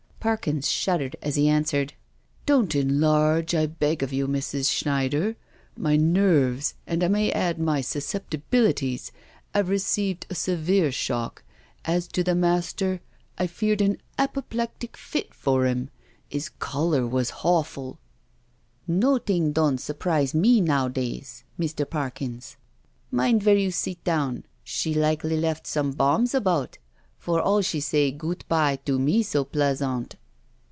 Parkins shuddered as he answered: •• Don't enlarge, I beg of you, Mrs. Schneider— my nerves, and I may add my susceptibilities, 'ave received a severe shock— as ^o the Master, I feared an apoplectic fit for 'im— 'is colour was hawful." 244 A CRUSHED BUTTERFLY 245 " Noting don^ surprize me nowadays, Mr. Parkins. Mind vere you sit down — she likely left some bombs about^ for all she say goot bye to me so bleasant."